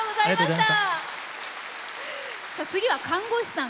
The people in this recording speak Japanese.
次は看護師さん。